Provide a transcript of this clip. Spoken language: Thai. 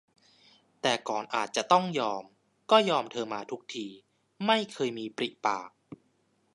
แต่ก่อนอาจจะต้องยอม ก็ยอมเธอมาทุกที ไม่เคยมีปริปาก